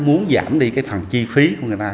muốn giảm đi cái phần chi phí của người ta